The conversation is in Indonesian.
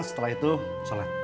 setelah itu sholat